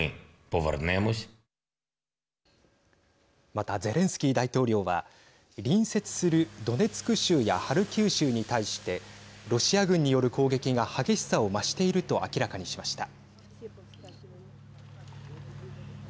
また、ゼレンスキー大統領は隣接するドネツク州やハルキウ州に対してロシア軍による攻撃が激しさを増していると明らかにしました。